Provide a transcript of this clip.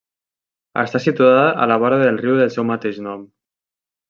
Està situada a la vora del riu del seu mateix nom.